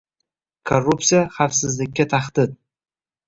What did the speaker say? Korrupsiya – xavfsizlikka tahdid